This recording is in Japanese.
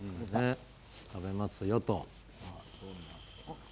食べますよ、と。